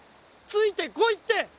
ついて来いって！